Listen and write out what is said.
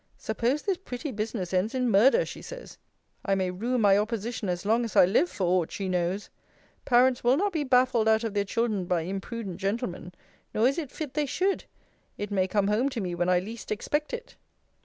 'Suppose this pretty business ends in murder! she says. I may rue my opposition as long as I live, for aught she knows. Parents will not be baffled out of their children by imprudent gentlemen; nor is it fit they should. It may come home to me when I least expect it.'